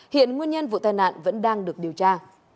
hiện nguyên nhân vụ tai nạn vẫn đang được điều tra